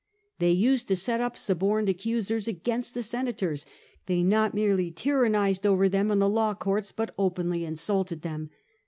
They used to set up suborned accusers against the senators ; they not merely tyrannised over them in the law courts, but openly insulted them."